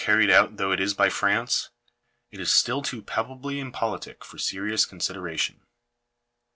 859 ried out though it ie by France, it is still too palpably impolitic for serious consideration.